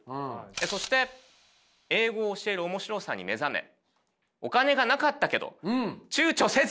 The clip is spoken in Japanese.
そして英語を教える面白さに目覚めお金がなかったけど躊躇せず。